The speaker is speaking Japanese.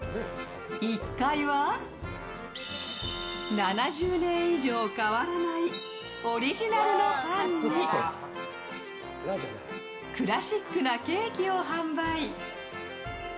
１階は７０年以上変わらないオリジナルのパンにクラシックなケーキを販売。